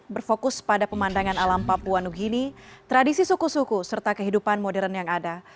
berfokus pada pemandangan alam papua new guinea tradisi suku suku serta kehidupan modern yang ada